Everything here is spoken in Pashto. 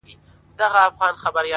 گراني خبري سوې د وخت ملكې _